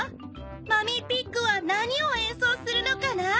マミーピッグは何をえんそうするのかな？